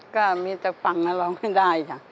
ก็มีแต่ฟังนะร้องไม่ได้ค่ะ